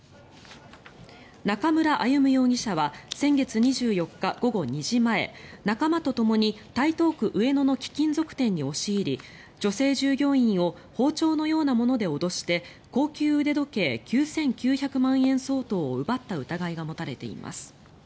中村歩武容疑者は先月２４日、午後２時前仲間とともに台東区上野の貴金属店に押し入り女性従業員を包丁のようなもので脅して高級腕時計９９００万円相当を奪った疑いが持たれています。